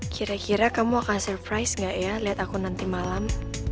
kira kira kamu akan surprise gak ya lihat aku nanti malam